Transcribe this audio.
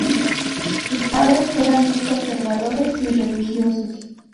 Sus padres eran muy conservadores y religiosos.